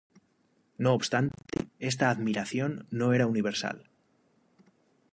No obstante, esta admiración no era universal.